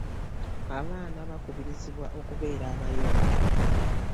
Abaana bakubirizibwa okubeera abayonjo.